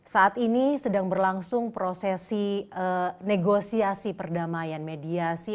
saat ini sedang berlangsung prosesi negosiasi perdamaian mediasi